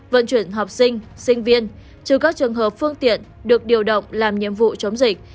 vận chuyển học sinh sinh viên trừ các trường hợp phương tiện được điều động làm nhiệm vụ chống dịch